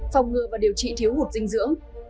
phòng ngừa và điều trị thiếu hụt dinh dưỡng